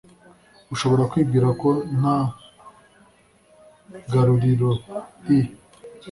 ushobora kwibwira ko nta garuriroi